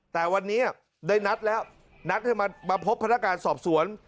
แต่วันนี้ได้นัดแล้วนัดให้มาพบพนักการสอบสวน